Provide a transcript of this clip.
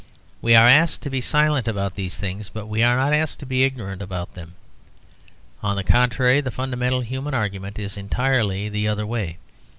We are asked to be silent about these things, but we are not asked to be ignorant about them. On the contrary, the fundamental human argument is entirely the other way.